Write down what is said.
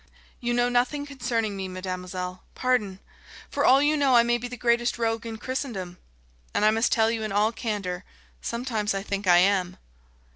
"You know nothing concerning me, mademoiselle pardon! For all you know I may be the greatest rogue in Christendom. And I must tell you in all candour, sometimes I think I am."